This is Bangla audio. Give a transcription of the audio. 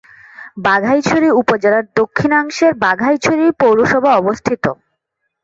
বাঘাইছড়ি উপজেলার দক্ষিণাংশে বাঘাইছড়ি পৌরসভার অবস্থান।